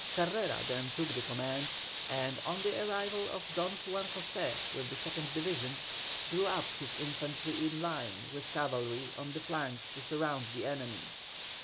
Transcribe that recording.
Carrera then took the command, and on the arrival of Don Juan José with the second division, drew up his infantry in line with cavalry on the flanks to surround the enemy.